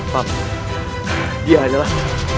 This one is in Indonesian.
papa dia adalah